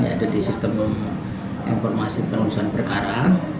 yaitu di sistem informasi pengurusan perkara